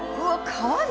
川に？